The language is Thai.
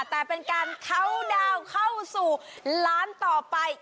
แต่เป็นการเข้าดาวน์เข้าสู่ล้านต่อไป